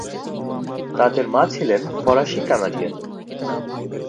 তাদের মা ছিলেন ফরাসি কানাডিয়ান।